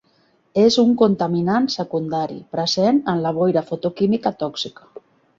És un contaminant secundari, present en la boira fotoquímica tòxica.